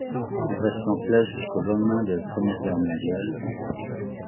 Il reste en place jusqu'au lendemain de la Première Guerre mondiale.